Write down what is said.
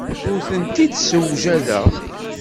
Ur tent-id-ssewjadeɣ.